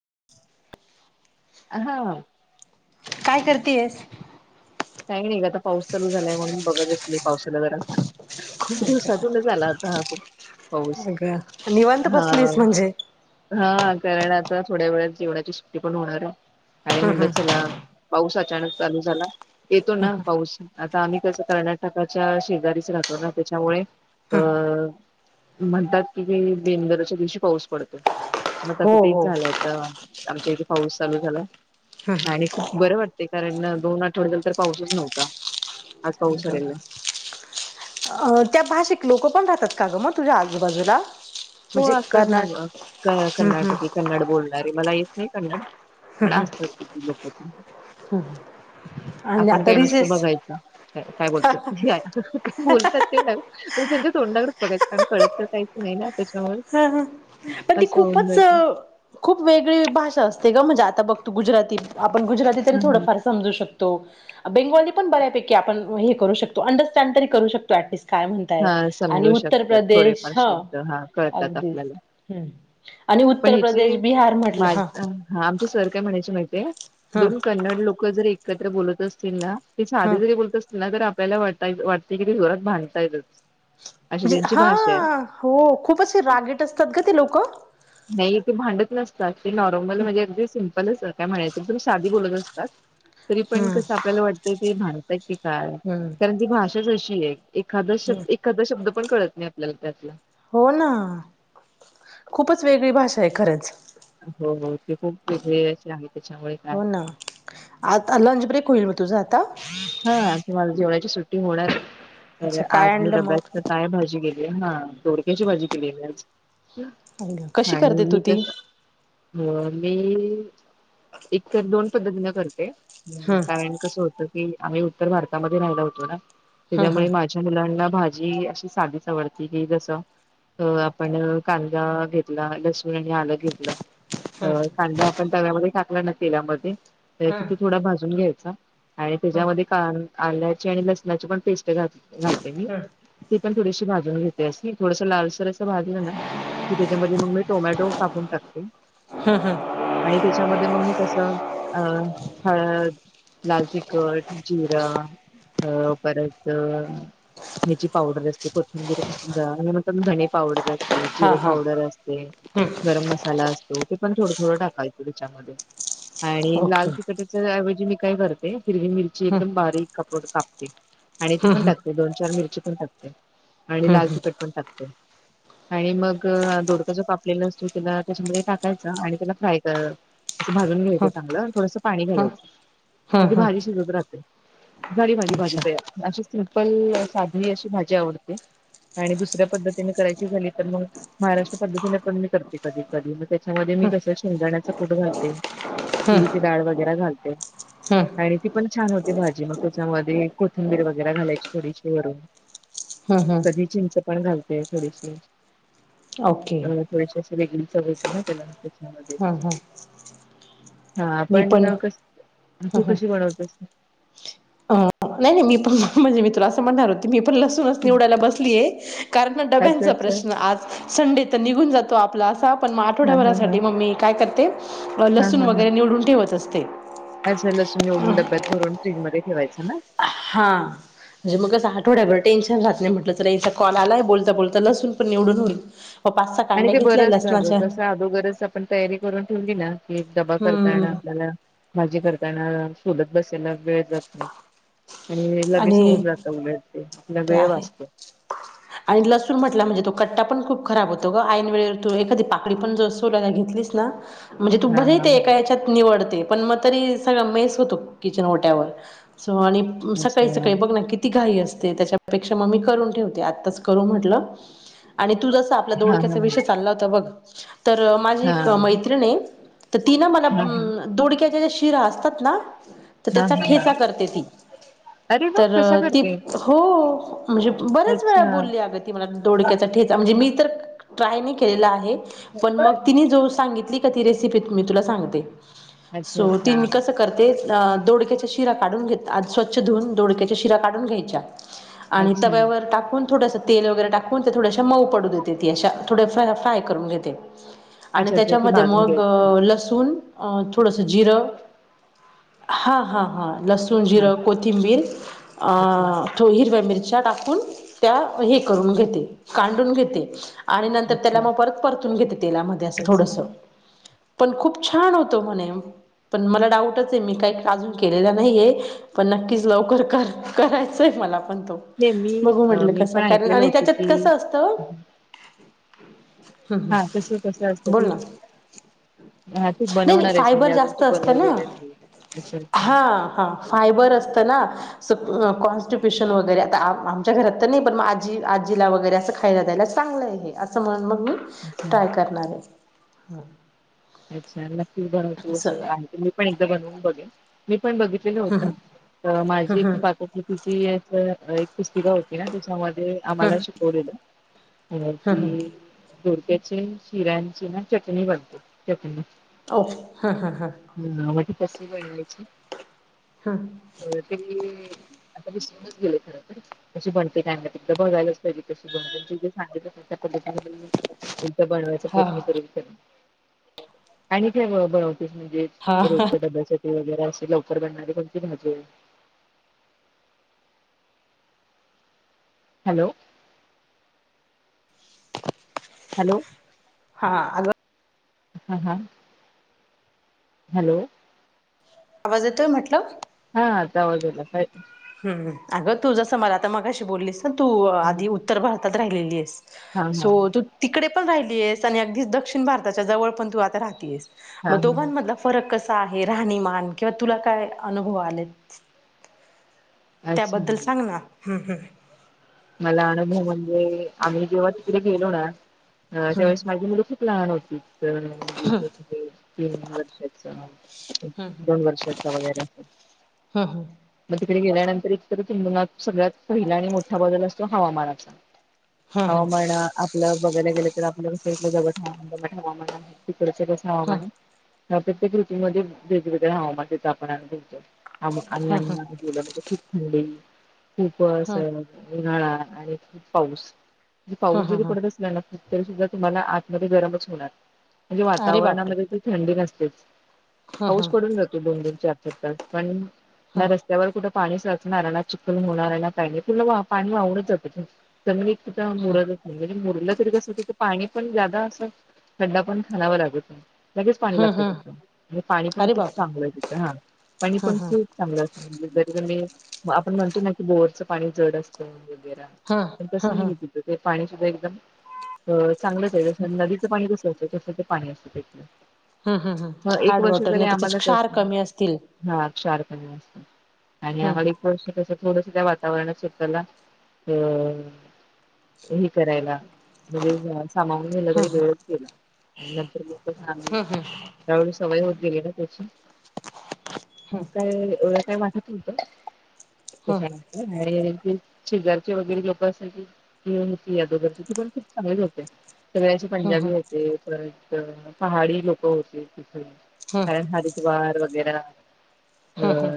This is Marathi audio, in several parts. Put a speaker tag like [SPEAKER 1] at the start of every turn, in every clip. [SPEAKER 1] [inaudible]
[SPEAKER 2] अ हा.
[SPEAKER 1] काय करतेयस?
[SPEAKER 2] काही नाही ग आता पाऊस चालू झालाय म्हणून बघत बसलीय पावसाला जरा. खूप दिवसातून आला आता हा खुप
[SPEAKER 1] मग निवंत बसलीयेस म्हणजे
[SPEAKER 2] हा कारण आ थोड्या वेळ जेवणाची सुट्टी पण होणार आहे आणि म्हणलं
[SPEAKER 1] हो
[SPEAKER 2] चला पाऊस अचानक चालू झाला येतो ना पाऊस आता आम्ही कस करणार टकाच्या शेजारीच राखवण त्याच्यामुळे अ म्हणतात कि भेनगराच्या दिवशी पाऊस पडतो मग आता तेच
[SPEAKER 1] हो
[SPEAKER 2] झालंय तर आमच्या इथे पाऊस चालू झाला आणि खूप बरं वाटते कारण दोन आठवडल तर पाऊसच नव्हता आज पाऊस पडलेला
[SPEAKER 1] अ त्या भाषिक लोक पण राहतात का गं मग तुझ्या आजूबाजूला
[SPEAKER 2] हो
[SPEAKER 1] म्हणजे
[SPEAKER 2] असतात ना
[SPEAKER 1] कर्नाट हम्म
[SPEAKER 2] कर्नाटक कन्नड बोलणारे मला येत नाही कन्नड प आसत्यात ती लोकं
[SPEAKER 1] ह [inaudible] [unintelligible]
[SPEAKER 2] आपण काय नुसतं बघायच. काय बोलतात हे, काय बोलतात ते ना तर त्यांच्या तोंडाकडेच बघायं कारण कळत तर काहीच नाही ना त्याच्यामुळे
[SPEAKER 1] हा हा पण ती
[SPEAKER 2] असं होऊन
[SPEAKER 1] खूपच
[SPEAKER 2] जात
[SPEAKER 1] खूप वेगळी भाषा असते म्हणजे आता बघत गुजराती आपण गुजराती तरी
[SPEAKER 2] ह ह
[SPEAKER 1] थोडंफार समजू शकतो बेंगोली पण बऱ्यापैकी आपण हे करू शकतो अंडरस्टँड तरी करू शकतो ऍटलीस्ट.
[SPEAKER 2] हा समजू शकतात थोडेफार
[SPEAKER 1] ह
[SPEAKER 2] शब्ध हा कळतात
[SPEAKER 1] अगदीच
[SPEAKER 2] आपल्याला
[SPEAKER 1] हम्म आणि
[SPEAKER 2] पण
[SPEAKER 1] उत्तर
[SPEAKER 2] हिचे
[SPEAKER 1] प्रदेश बिहार म्हटलं
[SPEAKER 2] नाय
[SPEAKER 1] हा
[SPEAKER 2] हं आमचे सर काय म्हणायचे मा अं
[SPEAKER 1] हा
[SPEAKER 2] दोन कन्नड लोक जरी एकत्र बोलत असतील ना, ते
[SPEAKER 1] हा
[SPEAKER 2] साधे जरी बोलत असतील ना तर आपल्याला वाटता वाटते कि जोरात भांडतायच
[SPEAKER 1] म्हणजे हा हो खूप असे रागेट असतात ग ते लोक
[SPEAKER 2] नाही ते भांडत नसतात ते नॉर्मल म्हणजे अगदी सिप काय म्हणायचं साधी बोलत असतात तरी पण
[SPEAKER 1] हम्म
[SPEAKER 2] कसं आपल्याला वाटतं ते ती काय
[SPEAKER 1] हम्म
[SPEAKER 2] कारण ती भाषाच अशी आहे एखादा
[SPEAKER 1] हम्म
[SPEAKER 2] शब्द एखादा शब्द पण कळत नाही आपल्याला त्यातला
[SPEAKER 1] हो ना खूपच वेगळी भाषा आहे खरंच
[SPEAKER 2] हो हो ते खूप वेगच आहे त्याच्यामुळे काय
[SPEAKER 1] हो ना आता लंच ब्रेक होईल मी तुझा आता
[SPEAKER 2] हा ते मला जेवढची सुट्टींग होणार आहे तर
[SPEAKER 1] अच्छा काय
[SPEAKER 2] आज मी
[SPEAKER 1] आणलं मग
[SPEAKER 2] डब्यात काय भाजी केली हा दोडक्याची भाजी केली आहे मी आज
[SPEAKER 1] कशी
[SPEAKER 2] आणि
[SPEAKER 1] करते तू
[SPEAKER 2] मी
[SPEAKER 1] ती
[SPEAKER 2] कस हो मी एकत दोन पद्धतीन करते
[SPEAKER 1] हम्म
[SPEAKER 2] कारण कसं होतं क आम्ही उत्तर भारतामध्ये राहिला होतो ना
[SPEAKER 1] हम्म
[SPEAKER 2] त्याच्यामुळे माझ्या मुलांना ी अशी साधी चवडती ही जसं हो आपण कांदा घेतला लसूण आणि आलं
[SPEAKER 1] हम्म
[SPEAKER 2] घेतलं कांदा आपण तव्यामध्ये टाकला ना तेलामध्ये तर
[SPEAKER 1] हम्म
[SPEAKER 2] तिथे थोडा भाजून घ्यायचा आणि
[SPEAKER 1] हम्म
[SPEAKER 2] त्याच्यामध्ये का आल्याची आणि लसणाची पण पेस्ट घ मी
[SPEAKER 1] हम्म हम्म हम्म
[SPEAKER 2] ती पण थोडीशी भाजून घेते अस थोडस लालसर ना की त्याच्यामध्ये मग मी टोमॅटो कापून टाकते
[SPEAKER 1] हम्म
[SPEAKER 2] आणि त्याच्यामध्ये मग मी कसं अ लाल तिखट जिरा अ परत ह्याची पावडर असते कोथिंबीर कसध आणिर धणे पावडर असते
[SPEAKER 1] हा
[SPEAKER 2] जिरे
[SPEAKER 1] हा
[SPEAKER 2] पावडर असते
[SPEAKER 1] हम्म
[SPEAKER 2] गरम मसाला असतो पण थोडं थोडं टाकायचं त्याच्यामध्ये आणि लाल
[SPEAKER 1] ओके
[SPEAKER 2] तिकटीच्या ऐवजी मी काय करते हिरवी मिरची
[SPEAKER 1] हम्म
[SPEAKER 2] एकदम बारीक कप कापते आणि ती
[SPEAKER 1] हम्म
[SPEAKER 2] पण
[SPEAKER 1] हम्म
[SPEAKER 2] टाकते दोन चार मिरची पण टाकते आणि लाल तिखट पण टाकते
[SPEAKER 1] ह
[SPEAKER 2] आणि मग दोडका जो कापलेला असतो त्याला त्याच्यामध्ये टाकायचा आणि त्याला फ्राय करा भाजून
[SPEAKER 1] हम्म
[SPEAKER 2] घ्यायचं चांगलं थोडसं पाणी घालायचं मग
[SPEAKER 1] हम्म
[SPEAKER 2] तेी
[SPEAKER 1] हम्म
[SPEAKER 2] भाजी शिजत राहते झाडी माझी भाजी
[SPEAKER 1] अच्छा
[SPEAKER 2] पया अशी सिम्पल साधणी अशी भाजी आवडते आणि दुसऱ्या पद्धतीने करायची झाली तर मग महाराष्ट्र पद्धतीने पण मी करते कधी कधी त्याच्यामध्ये मी कस शेंगाण्याचा फोट घालते
[SPEAKER 1] हम्म
[SPEAKER 2] तुरीची डाळ वगैरे घालते
[SPEAKER 1] हं
[SPEAKER 2] आणि ती पण छान होते भाजी मग त्याच्यामध्ये कोथिंबीर वगैरे घालायची थोडीशी वरून
[SPEAKER 1] हं हं
[SPEAKER 2] कधी चिंच पण घालतय थोडीशी
[SPEAKER 1] ओके
[SPEAKER 2] थोडीशी अशी वेगळी हो त्याला त्याच्यामध्ये
[SPEAKER 1] हम् हम्
[SPEAKER 2] हा पण कस तू
[SPEAKER 1] हां
[SPEAKER 2] कशी बनवतस
[SPEAKER 1] अ नाही नाही मी पण म्हणजे मी त असं म्हणणार होती मी लसूनच निवडायला बसलीय कारण
[SPEAKER 2] अच्छा
[SPEAKER 1] डब्यांचा
[SPEAKER 2] अच्छा
[SPEAKER 1] प्रश्न आज संडे तर निघून जात तो आपला असा पण मग
[SPEAKER 2] हा हा हा
[SPEAKER 1] आठवड्याभरासाठी मम ममी काय करते लसून वगैरे निवडून ठेवत असते
[SPEAKER 2] अर लसूण निवडून डब्यात भरून फ्रीज मध्ये ठेवायचं ना
[SPEAKER 1] हा म्हणजे मग आठवड्याभर टेन्शन राहत नाही म्हटलं तर याचा कॉल आलाय बोलता बोलता लसून पण निवडून होई
[SPEAKER 2] आणि ते बरं असतं अग तसं अगोगरच आपण तयारी करून ठेवली ना की दबा करताना
[SPEAKER 1] हम्म
[SPEAKER 2] आपल्याला भाजी करताना सोलत बसायला वेळ जात नाही आणि लगेच होऊन जात उलट ते आपला
[SPEAKER 1] ते
[SPEAKER 2] वेळ
[SPEAKER 1] आहे.
[SPEAKER 2] वाचतो
[SPEAKER 1] आणि लसूण म्हटला म्हणजे तो कट्टा पण खूप खराब होतो ऐनवेळे तो एखादी पाकडी पण ज सोलायला घेतला दिस ना म्हणजे तू
[SPEAKER 2] हा
[SPEAKER 1] भर
[SPEAKER 2] हा
[SPEAKER 1] ते
[SPEAKER 2] हा.
[SPEAKER 1] एका या्याच्यात निवडते पण मग तरी सगळ मेस होतो किचन ओट्यावर सो आणि सकाळी
[SPEAKER 2] अच्छा
[SPEAKER 1] सकाळी बघ ना किती घाई असते त्याच्यापेक्षा मग मी करून ठेवते आत् आत्ताच करू म्हटलं आणि तू जस आप
[SPEAKER 2] हा हा
[SPEAKER 1] दोडक्याचा
[SPEAKER 2] हा
[SPEAKER 1] विषय चालला होता बघ. तर माझी
[SPEAKER 2] हा हा
[SPEAKER 1] मैत्रीण आहे. तर ती ना मला
[SPEAKER 2] हा.
[SPEAKER 1] दोडक्याच्या ज्या शिरा असतात ना तर
[SPEAKER 2] हा
[SPEAKER 1] त्याचा
[SPEAKER 2] हा हा
[SPEAKER 1] ठेचा करते ती.
[SPEAKER 2] अरे वा
[SPEAKER 1] तर
[SPEAKER 2] कसा
[SPEAKER 1] ती
[SPEAKER 2] करते
[SPEAKER 1] हो म्हणजे बरच.
[SPEAKER 2] अच्छा
[SPEAKER 1] बोलली अग ती मला डोडक्याचा ठेचा म्हणजे मी तर ट्राय नाही केलेला आहे. पण मग तिने जो सांगितली का ती रेसिपी मी तुला सांगते.
[SPEAKER 2] अच्छा
[SPEAKER 1] सो ते
[SPEAKER 2] अच्छा.
[SPEAKER 1] मी कसं करते. दोडक्याच्या शिरा काढून घेत स्वच्छ धुऊून दडोडक्याच्या शिरा्या काढून घ्यायच्या. आणि
[SPEAKER 2] अच्छा
[SPEAKER 1] तव्यावर टाकून थोडस तेल वगैरे टाकून ते थोडश मऊ पडू देते ती अशा. थोड्या फ्राय करून घे आणि
[SPEAKER 2] अच्छा अच्छा ते
[SPEAKER 1] त्याच्यामध्ये
[SPEAKER 2] भाजून
[SPEAKER 1] मग
[SPEAKER 2] घ्यायचं हा
[SPEAKER 1] लसुन. थोडंसा जिरं हां हां हां... लसूण
[SPEAKER 2] हा
[SPEAKER 1] जिरं कोथिंबीर
[SPEAKER 2] अच्छा.
[SPEAKER 1] थोड्या हिरव्या मिरच्या टाकून. त्या हे करून घेते कांडून घेते. आणि नंतर
[SPEAKER 2] अच्छा
[SPEAKER 1] त्याला मग परत परतून घेते तेलामध्ये असं
[SPEAKER 2] अच्छा
[SPEAKER 1] थोडस. पण खूप छान होतो म्हणे. पण मला डाऊटच आहे मी काही अजून केलेलं नाहीये पण नक्कीच लवकर करायचंय मला. त
[SPEAKER 2] नाही मी
[SPEAKER 1] बघू
[SPEAKER 2] अ,
[SPEAKER 1] म्हटल
[SPEAKER 2] मी
[SPEAKER 1] कसा
[SPEAKER 2] पण
[SPEAKER 1] कारण
[SPEAKER 2] ऐकलेलं
[SPEAKER 1] आणि
[SPEAKER 2] होतं
[SPEAKER 1] त्याच्यात
[SPEAKER 2] की
[SPEAKER 1] कसं असत. हम् हम्म
[SPEAKER 2] हा कसं कसं असतं
[SPEAKER 1] बोल
[SPEAKER 2] की
[SPEAKER 1] ना.
[SPEAKER 2] हा तू
[SPEAKER 1] नाही नाही
[SPEAKER 2] बनवणार आहेस म्हणजे
[SPEAKER 1] फायबर
[SPEAKER 2] अजून
[SPEAKER 1] जास्त
[SPEAKER 2] तू
[SPEAKER 1] असत ना
[SPEAKER 2] बनवलेलं नाही अच्छा अच्छा
[SPEAKER 1] हा हा फायबर असत. असं ना कॉन्स्टिप्सियन वगैरे आमच्या घरात. नाही पण मग आजी आजीला वगैरे असं खायला जा्यायला चांगलं आहे असं म्हण मग मी.
[SPEAKER 2] अच्छा
[SPEAKER 1] ट्राय करणार आहे.
[SPEAKER 2] अच्छा नक्कीच बनव तू असं आहे मी पण एकदा बनवून बघेन. मी पण बघितलं
[SPEAKER 1] हम्म
[SPEAKER 2] होतं माझी एक
[SPEAKER 1] हम्म
[SPEAKER 2] पाककृती ती एक पुस्तिका होती ना. मध्ये आम्हाला
[SPEAKER 1] हम्म
[SPEAKER 2] शिकवलेलं
[SPEAKER 1] हम्म
[SPEAKER 2] की. दोडक्यांच्या शिऱ्यांची ना चटणी बनते चटणी बनवते चटणी.
[SPEAKER 1] ओ हम हम हम..
[SPEAKER 2] कस बनवायची?
[SPEAKER 1] हां
[SPEAKER 2] ते विसरून गेले खर कशी बनते काय बनते त बघयलाच पाहिजे कशी मी जे सांगितलं त्याच्या पद्धतीने. तुमचा बनवायचा
[SPEAKER 1] हां हां
[SPEAKER 2] प्रयत्न करून आणि काय बन. म्हणजे
[SPEAKER 1] हां हां हां
[SPEAKER 2] रोज डब्या. वगैरे असे लवकर बनणारी कोणती भाजी आहे. हॅलो! हॅलो
[SPEAKER 1] हा, अगं.
[SPEAKER 2] हा हा. हॅलो!
[SPEAKER 1] आवाज येतोय म्हटलं.
[SPEAKER 2] हा आता आवाज येतोय.
[SPEAKER 1] हम अगं तुझस मला आता मगाशी बोललीस ना तू आधी उत्तर भारतात राहिलेली आहेस.
[SPEAKER 2] हा
[SPEAKER 1] सो
[SPEAKER 2] हा
[SPEAKER 1] तू तिकडे पण राहिली आहेस, आणि अगदी दक्षिण भारताच्या जवळ पण तू आता राहती आहेस.
[SPEAKER 2] हा
[SPEAKER 1] मग
[SPEAKER 2] हा
[SPEAKER 1] दोघांमधला फरक कसा. आहे राहणीमान किंवा तुला काय अनुभव आलेत?
[SPEAKER 2] अच्छा
[SPEAKER 1] त्याबद्दल सांग ना. हम्म, हम्..
[SPEAKER 2] मला अनुभव म्हणजे आम्ही जेव्हा तिकडे गेलो ना तेवेळेस माझी मुलं खूप खूप लहान होती तर मग ते तीन वर्षाचा. दोन वर्षाचा वगैरे असेल.
[SPEAKER 1] हा हा..
[SPEAKER 2] तिकडे गेल्यानंतर एकतर तुम्हाला सगळ्यात पहिला आणि मोठा बदल असतो हवामानाचा.
[SPEAKER 1] हं हं
[SPEAKER 2] हवामान आपलं बघायला गेलं तर आपलं कसं इथलं दमट हवामान तिथलं हवामान. च कस
[SPEAKER 1] हं
[SPEAKER 2] हवामान प्रत्येक ऋतूमध्ये वेगवेगळ्या हवामान तथ आपण अनुभवतो. आ
[SPEAKER 1] हं हं
[SPEAKER 2] आणि्ही गलं म्हणजे खूप थंडी खूप अस.
[SPEAKER 1] हं
[SPEAKER 2] उन्हाळा आणि पाऊस,
[SPEAKER 1] हं
[SPEAKER 2] पाऊस
[SPEAKER 1] हं
[SPEAKER 2] जरी पडत
[SPEAKER 1] हं
[SPEAKER 2] असला ना. तरी सुद्धा तुम्हाला आतमध्ये गरमच होणार म्हणजे
[SPEAKER 1] अरे बापरे!
[SPEAKER 2] वातावरणामध्ये तर थंडी नसतेच.
[SPEAKER 1] हं
[SPEAKER 2] हाऊस
[SPEAKER 1] हं
[SPEAKER 2] पडून जातो दोन, दोन चार, चार तास पण ना
[SPEAKER 1] हं
[SPEAKER 2] रस्त्यावर कुठ. पाणी साचणारला ना चिकखल होणार ना काही नाही पण पाणी आवडतच जात ग तर मी. त मुराद सग [unintelligible] मुरलं तरी कस तिथ पाणी पण जादा असं थंडा पण खावं लागत नाही. लगेच पाणी
[SPEAKER 1] हं
[SPEAKER 2] लागतं
[SPEAKER 1] हं
[SPEAKER 2] तिथं म्हणजे पाणी पण
[SPEAKER 1] अरे
[SPEAKER 2] खूप
[SPEAKER 1] बापरे!
[SPEAKER 2] चांगलं आहे तिथं हा. पाणी
[SPEAKER 1] हं
[SPEAKER 2] पण
[SPEAKER 1] हं
[SPEAKER 2] खूप चांगलं असं म्हणजे [unintelligible] जरी मग आपण म्हणतो ना की, बोरचं पाणी जड असतं वगैरे
[SPEAKER 1] हं
[SPEAKER 2] तर तसं
[SPEAKER 1] हं हं
[SPEAKER 2] नाही तिथं ते. पाणी सुद्धा अ एकदम चांगलंच आहे, जस नदीचं पाणी कसंचंय तसं ते पाणी असतं.
[SPEAKER 1] हं हं हं
[SPEAKER 2] ह एक
[SPEAKER 1] हार्ड
[SPEAKER 2] वर्ष
[SPEAKER 1] वॉटर
[SPEAKER 2] जरी
[SPEAKER 1] नाही त्याच्यात
[SPEAKER 2] आम्हालाच
[SPEAKER 1] क्षार
[SPEAKER 2] तसं
[SPEAKER 1] कमी असतील.
[SPEAKER 2] हा क्षार. पाणी असतं आणि
[SPEAKER 1] हं
[SPEAKER 2] आम्हाला [unintelligible] इस थोडस त्या वातावरणाचे अ हे करायला म्हणजे असं. सामावून गेलं
[SPEAKER 1] हं
[SPEAKER 2] तरी
[SPEAKER 1] हं
[SPEAKER 2] वेळच केला आणि नंतर म कस आम्ही.
[SPEAKER 1] हं
[SPEAKER 2] त्यावेळी सवय होत, गेली ना त्याची.
[SPEAKER 1] हं
[SPEAKER 2] काय [unintelligible] ळ्या काय वाटत
[SPEAKER 1] हं
[SPEAKER 2] नव्हतं आणि शेजारचे वगैरे लोक असायची [unintelligible] होती यादोगरची ती पण खूप चांगली लोक हाईट सगळ्यांचे
[SPEAKER 1] हं
[SPEAKER 2] पंजाबी होते, पर पहाडी लोक होते.
[SPEAKER 1] हं
[SPEAKER 2] कारण हरिद्वार वगैर अ
[SPEAKER 1] हं हं हं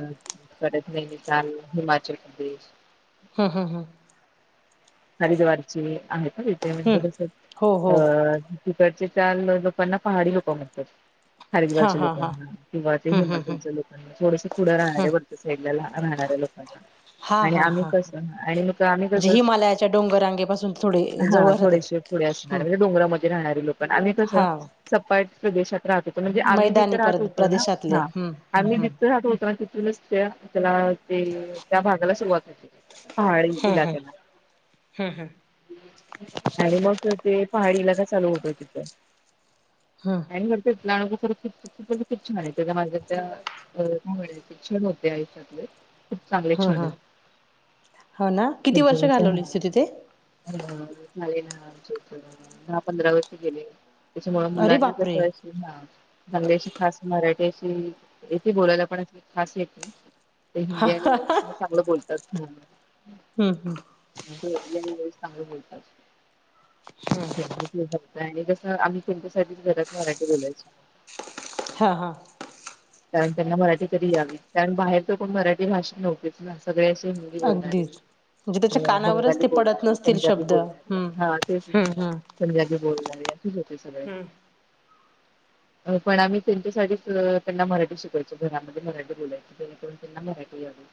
[SPEAKER 2] कड नैनिताल हिमाचल प्रदेश.
[SPEAKER 1] ह ह ह.
[SPEAKER 2] हरिद्वारची आहे, का तिथे म्हणजे
[SPEAKER 1] हं
[SPEAKER 2] तस अ.
[SPEAKER 1] हो हो
[SPEAKER 2] तिकडचे चाल लोकांना पहाडी लोक म्हणतात.
[SPEAKER 1] हां
[SPEAKER 2] हरिद्वारच्या
[SPEAKER 1] हां हां
[SPEAKER 2] लोकांना किंवा ते
[SPEAKER 1] हं हं हं
[SPEAKER 2] हिमाचलच्या लोकांना थोडस पुढं राहणारे
[SPEAKER 1] हं
[SPEAKER 2] वरती साईड ला राहणार लोकांचा
[SPEAKER 1] हां
[SPEAKER 2] आणि
[SPEAKER 1] हां
[SPEAKER 2] आम्ही
[SPEAKER 1] हां हां.
[SPEAKER 2] कसं आणि मग आम्ही
[SPEAKER 1] म्हणजे
[SPEAKER 2] कस.
[SPEAKER 1] हिमालयाच्या डोंगररांगेपासून थोडे
[SPEAKER 2] हा
[SPEAKER 1] जवळ राहतात.
[SPEAKER 2] थोडेशी पुढे असणार
[SPEAKER 1] हं
[SPEAKER 2] म्हणजे डोंगरामध्ये राहणारे लोक आणि कस
[SPEAKER 1] हा
[SPEAKER 2] सपाट. प्रदेशात राहत होतो, म्हणजे आम्ही जिथं
[SPEAKER 1] मैदानी पर
[SPEAKER 2] राहत होतो, ना
[SPEAKER 1] प्रदेशातले
[SPEAKER 2] हा
[SPEAKER 1] हं हं
[SPEAKER 2] आम्ही
[SPEAKER 1] हं
[SPEAKER 2] जथं राहत होतो, ना तथ. नुसत्या त्याला ते त्या भागाला सुरवात होते, पहाडी
[SPEAKER 1] हं हं
[SPEAKER 2] इलाक्याला.
[SPEAKER 1] हं हं
[SPEAKER 2] आणि मग ते. ते पहाडीला का चालू होतय तिथ
[SPEAKER 1] हं
[SPEAKER 2] आणि मग तिथंन. खरचं खुपच छान आहेत माझ त्या [unintelligible] क्षण होते आयुष्यातले खूप चांगले
[SPEAKER 1] हं
[SPEAKER 2] क्षण
[SPEAKER 1] हं हो ना किती वर्ष
[SPEAKER 2] हेतं. अच् ह
[SPEAKER 1] घालवलीस तू तिथे?
[SPEAKER 2] हम. झाले ना आमचे दहा पंधरा वर्ष गेले. त्याच्यामुळे
[SPEAKER 1] अरे
[SPEAKER 2] मुलांना
[SPEAKER 1] बापरे!
[SPEAKER 2] कसं अस ना. असळ्याशी खास मराठ्याशी येथे बोलायला पण खास येते- - ते हिंदी आणि इंग्लिश म चांगलं बोलतात.
[SPEAKER 1] हम् हम्.
[SPEAKER 2] [unintelligible] हिंदी आणि इंग्लिश चांगलं बोलतात. त्यांना ते जमतयं आणि कस आम्ही तेनच्यासाठी घरात मराठी बोलायचो.
[SPEAKER 1] हा, हा.
[SPEAKER 2] कारण त्यांना मराठी तरी यावी कारण बाहेर कोण मराठी भाषा नव्हतीच ना सगळे अशे - - हिंदी बोलणारी.
[SPEAKER 1] अगदीच म्हणजे त्याच्या कानावरच
[SPEAKER 2] बंगाली
[SPEAKER 1] ते पडत
[SPEAKER 2] बोलणारी,
[SPEAKER 1] नसतील
[SPEAKER 2] पंजाबी
[SPEAKER 1] शब्द हं
[SPEAKER 2] बोलणारी हा तेच ना.
[SPEAKER 1] हं हं
[SPEAKER 2] पंजाबी बोलणारी असेच होते सगळे. पण आम्ही त्यांच्यासाठीच त्यांना मराठी शिकायचो घरामध्ये मराठी बोलायच जणेकरून त्यांना मराठी यावी.